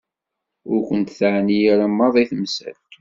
Ur ken-teɛni ara maḍi temsalt.